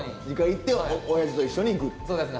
実家行っておやじと一緒に行く。